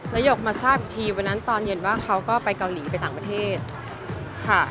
แล้วหยกมาทราบอีกทีวันนั้นตอนเย็นว่าเขาก็ไปเกาหลีไปต่างประเทศค่ะ